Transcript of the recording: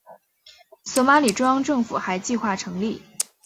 索马里中央政府还计划成立。